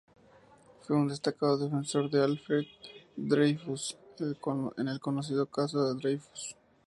Fue un destacado defensor de Alfred Dreyfus, en el conocido "Caso Dreyfus".